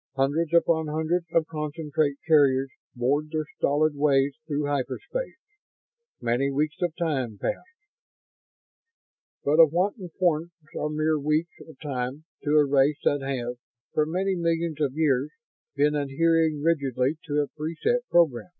Hundreds upon hundreds of concentrate carriers bored their stolid ways through hyperspace. Many weeks of time passed. But of what importance are mere weeks of time to a race that has, for many millions of years, been adhering rigidly to a pre set program?